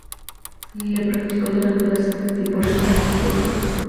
Le practicó durante bastante tiempo respiración boca a boca.